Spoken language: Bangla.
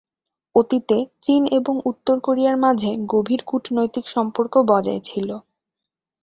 অতীতে চীন এবং উত্তর কোরিয়ার মাঝে গভীর কূটনৈতিক সম্পর্ক বজায় ছিল।